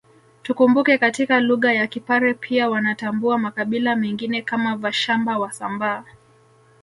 Tukumbuke katika lugha ya Kipare pia wanatambua makabila mengine kama Vashamba Wasambaa